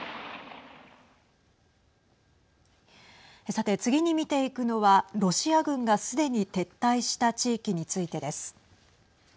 さて、次に見ていくのはロシア軍がすでに撤退した地域についてです。